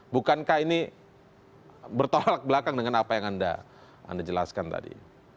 bukankah ini bertolak belakang dengan apa yang anda jelaskan tadi